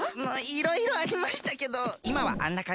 いろいろありましたけどいまはあんなかんじです。